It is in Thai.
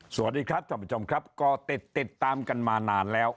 สวัสดีครับท่านผู้ชมครับก็ติดติดตามกันมานานแล้ว